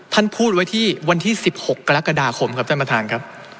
ท่านพูดไว้ที่วันที่๑๖กรกฎาคมครับท่านประธานครับ